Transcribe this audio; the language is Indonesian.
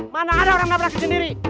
mana ada orang nabrasi sendiri